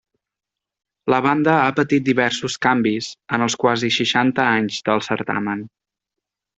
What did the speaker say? La banda ha patit diversos canvis en els quasi seixanta anys del certamen.